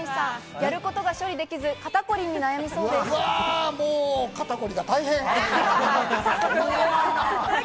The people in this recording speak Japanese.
やることが処理できず、肩こりに悩みそう肩こりが大変。